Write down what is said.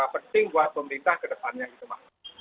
penting buat pemerintah ke depannya